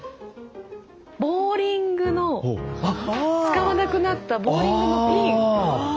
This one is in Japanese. ボウリングの使わなくなったボウリングのピン？